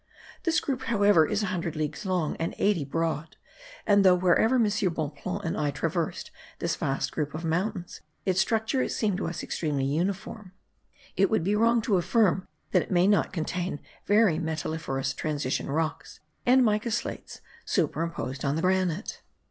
This group, however, is a hundred leagues long and eighty broad; and though wherever M. Bonpland and I traversed this vast group of mountains, its structure seemed to us extremely uniform, it would be wrong to affirm that it may not contain very metalliferous transition rocks and mica slates superimposed on the granite.